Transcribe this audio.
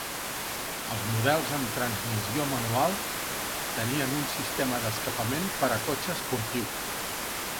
Els models amb transmissió manual tenien un sistema d'escapament per a cotxe esportiu.